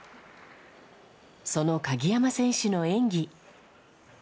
その鍵山選手の演技。